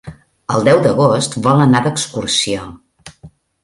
El deu d'agost vol anar d'excursió.